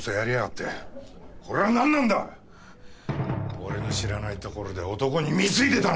俺の知らないところで男に貢いでたのか？